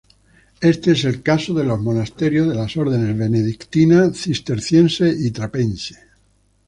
Este es el caso de los monasterios de las órdenes benedictina, cisterciense y trapense.